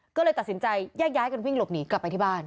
ก็เลยตัดสินใจแยกย้ายกันวิ่งหลบหนีกลับไปที่บ้าน